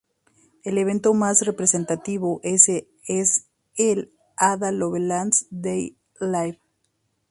El evento más representativo es el "Ada Lovelace Day Live!